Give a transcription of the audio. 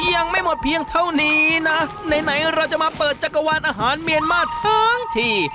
ยังไม่หมดเพียงเท่านี้นะไหนเราจะมาเปิดจักรวาลอาหารเมียนมาร์ทั้งที